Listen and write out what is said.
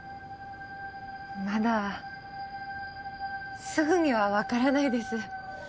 まだすぐには分からないです。